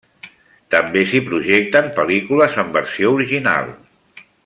També s'hi projecten pel·lícules en versió original.